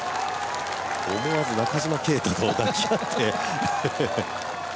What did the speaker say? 思わず中島啓太と抱き合って。